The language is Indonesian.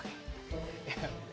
namanya juga anak anak pak